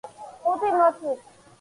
ხუთი მოცვით.